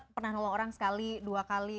pernah nolong orang sekali dua kali